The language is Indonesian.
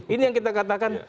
ini yang kita katakan